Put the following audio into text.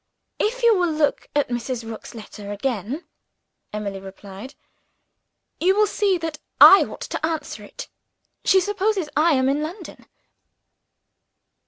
"If you will look at Mrs. Rook's letter again," Emily replied, "you will see that I ought to answer it. She supposes I am in London."